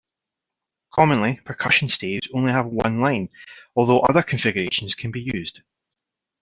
Commonly, percussion staves only have one line, although other configurations can be used.